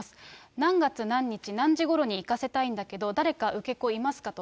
何月何日何時ごろに行かせたいんだけど、誰か受け子いますか？と。